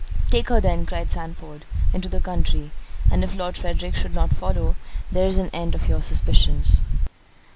"Take her then," cried Sandford, "into the country, and if Lord Frederick should not follow, there is an end of your suspicions."